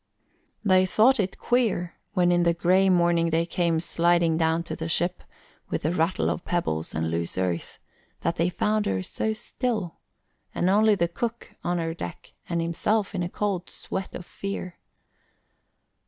They thought it queer, when in the gray morning they came sliding down to the ship, with a rattle of pebbles and loose earth, that they found her so still, and only the cook on her deck, and himself in a cold sweat of fear.